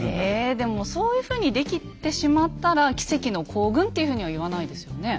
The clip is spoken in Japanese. でもそういうふうにできてしまったら「奇跡の行軍」っていうふうには言わないですよね。